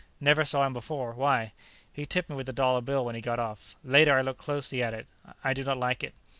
"Never saw him before. Why?" "He tipped me with a dollar bill when he got off. Later, I looked closely at it. I do not like it."